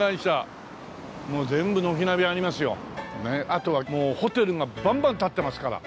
あとはもうホテルがバンバン立ってますから。